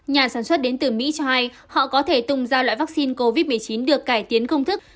nhà sản xuất đến từ mỹ cho hay họ có thể tung ra loại vaccine covid một mươi chín được cải tiến công thức